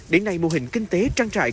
đến nay mô hình kinh tế trang trại